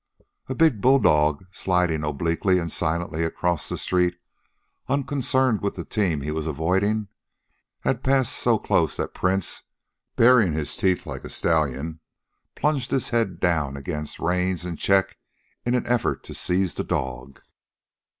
A big bulldog, sliding obliquely and silently across the street, unconcerned with the team he was avoiding, had passed so close that Prince, baring his teeth like a stallion, plunged his head down against reins and check in an effort to seize the dog.